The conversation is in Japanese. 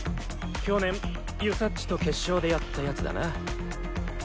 去年遊佐っちと決勝でやった奴だな。